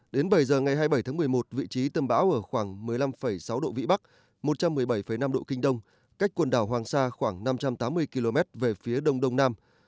đến bảy giờ ngày hai mươi bảy tháng một mươi một vị trí tâm bão ở khoảng một mươi năm sáu độ vĩ bắc một trăm một mươi bảy năm độ kinh đông cách quần đảo hoàng sa khoảng năm trăm tám mươi km về phía đông đông nam